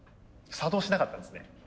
作動しなかったんですね。